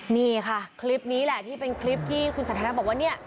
นี่ค่ะคลิปนี้แหละที่คุณศาธาระยื่นบอกว่านี้